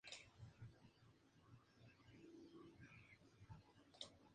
Esto provocaría el suicidio de Paul, quien, al descubrirlo, se arroja al río.